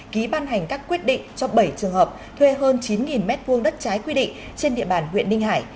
ký ban hành các quyết định cho bảy trường hợp thuê hơn chín m hai đất trái quy định trên địa bàn huyện ninh hải